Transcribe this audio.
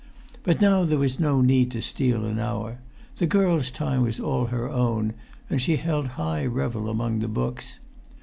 But now there was no need to steal an hour; the girl's time was all her own, and she held high revel among the books.